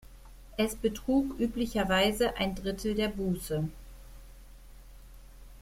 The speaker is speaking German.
Es betrug üblicherweise ein Drittel der Buße.